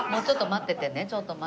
ちょっと待っててね。